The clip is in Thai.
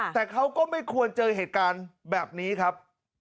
แต่เขาก็ไม่ควรเจอเหตุการณ์แบบนี้ครับ